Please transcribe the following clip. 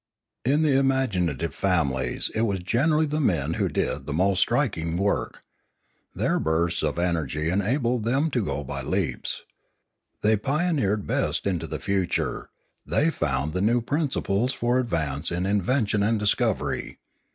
In the imaginative families it was generally the men who did the most striking work. Their bursts of energy enabled them to go by leaps. They pioneered best into the future; they found the new principles for advance in invention and discovery.